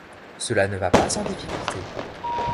Cela ne va pas sans difficulté...